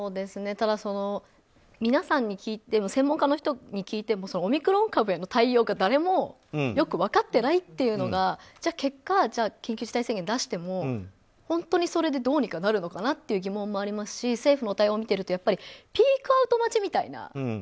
ただ、皆さんに聞いても専門家の方に聞いてもオミクロン株への対応が誰もよく分かっていないというのが結果、緊急事態宣言を出しても本当にそれでどうにかなるのかなって疑問もありますし政府の対応を見ているとピークアウト待ちみたいな。